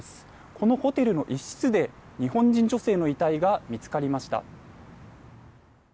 このホテルの一室で日本人女性の遺体が見つかりました。